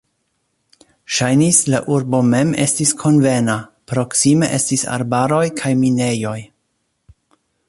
Ŝajnis, la urbo mem estis konvena, proksime estis arbaroj kaj minejoj.